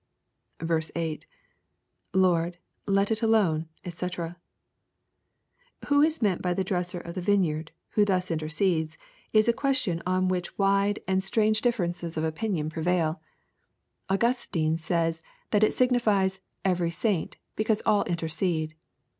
8. — [Lordj let it alone, <fci*.] Who is meant by the dresser of the vineyard, who thus intercedes, is a question on which wide and 118 EXPOSITOBY THOUGHTS. straoge diflerences of opinion prevail Augustine says that it signifies " every saint," because all intercede.